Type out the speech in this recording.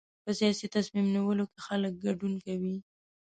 په سیاسي تصمیم نیولو کې خلک ګډون کوي.